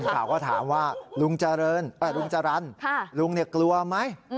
กลุ่มข่าวก็ถามว่าลุงจารัญลุงเนี่ยกลัวไหม